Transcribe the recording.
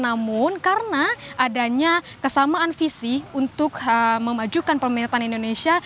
namun karena adanya kesamaan visi untuk memajukan pemerintahan indonesia